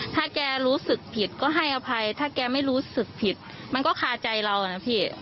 ถ้าแกรู้สึกผิดก็ให้อภัยถ้าแกไม่รู้สึกผิดมันก็คาใจเรานะพี่